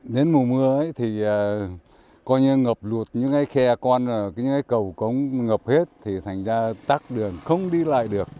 đến mùa mưa thì coi như ngập lụt những cái khe con những cái cầu cũng ngập hết thành ra tắt đường không đi lại được